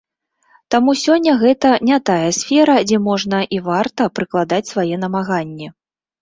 Таму сёння гэта не тая сфера, дзе можна і варта прыкладаць свае намаганні.